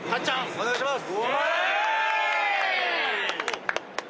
お願いします！